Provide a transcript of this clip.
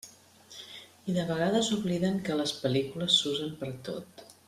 I de vegades obliden que les pel·lícules s'usen per a tot.